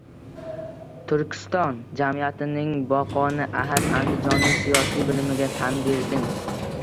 «Turkiston» jamiyatining boqoni Ahad Andijonning siyosiy bilimiga tan berdim.